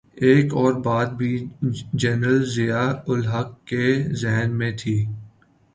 ایک اور بات بھی جنرل ضیاء الحق کے ذہن میں تھی۔